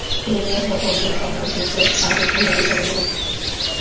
সিলেটে দশম জেলা সম্মেলন শেষে বাংলাদেশ মহিলা পরিষদের নতুন কমিটি ঘোষণা করা হয়েছে।